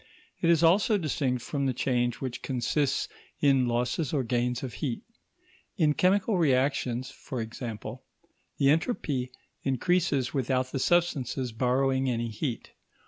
It is also distinct from the change which consists in losses or gains of heat. In chemical reactions, for example, the entropy increases without the substances borrowing any heat.